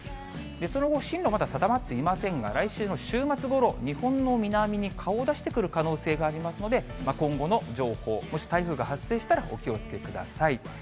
その後、進路まだ定まっていませんが、来週の週末ごろ、日本の南に顔を出してくる可能性がありますので、今後の情報、もし台風が発生したらお気をつけください。